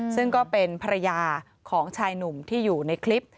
ซึ่งก็เป็นภรรยาของชายหนุ่มที่อยู่ในคลิป